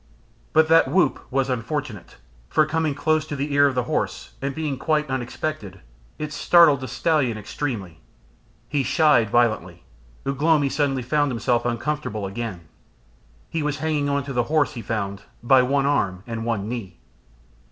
But that whoop was unfortunate, for coming close to the ear of the horse, and being quite unexpected, it startled the stallion extremely. He shied violently. Ugh lomi suddenly found himself uncomfortable again. He was hanging on to the horse, he found, by one arm and one knee.